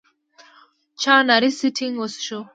چا اناري سټینګ وڅښو.